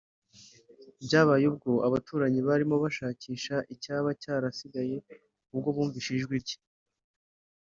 byabaye ubwo abaturanyi barimo bashakisha icyaba cyarasigaye ubwo bumvise ijwi rye